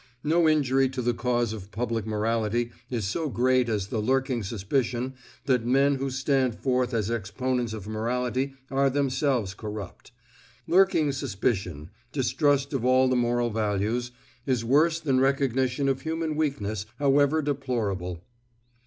No injury to the cause of public morality is so great as the lurking suspicion that men who stand forth as exponents of morality are themselves corrupt. Lurking suspicion, distrust of all the moral values, is worse than recognition of human weakness, however deplorable.